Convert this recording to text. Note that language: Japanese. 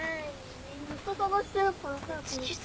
ずっと探してるから。